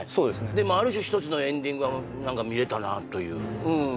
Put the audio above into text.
でもある種一つのエンディングは何か見れたなといううん